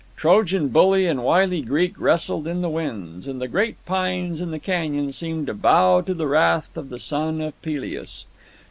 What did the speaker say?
Trojan bully and wily Greek wrestled in the winds, and the great pines in the canyon seemed to bow to the wrath of the son of Peleus.